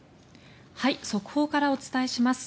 速報からお伝えします。